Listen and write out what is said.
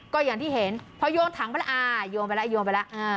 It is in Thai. ก็อย่างที่เห็นพอโยงถังไปแล้วอ่าโยงไปแล้วโยงไปแล้ว